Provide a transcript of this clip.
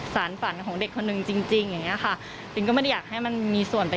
สารฝันของเด็กคนหนึ่งจริงจริงอย่างเงี้ยค่ะปินก็ไม่ได้อยากให้มันมีส่วนไป